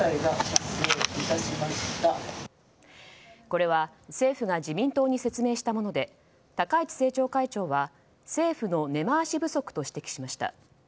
これは、政府が自民党に説明したもので高市政調会長は政府の根回し不足と指摘しました。